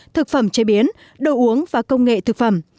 thực phẩm chế biến đồ uống và công nghệ thực phẩm